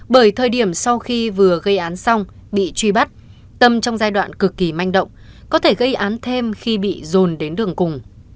bởi thời điểm sau khi vừa gây án xong bị truy bắt tâm trong giai đoạn cực kỳ manh động có thể gây án thêm khi bị dồn đến đường cùng